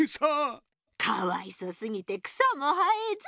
かわいそすぎて草も生えず！